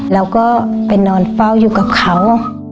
แล้วก็ไปนอนเฝ้าอยู่กับเขา